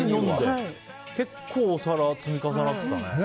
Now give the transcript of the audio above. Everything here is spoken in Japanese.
結構、お皿が積み重なってたね。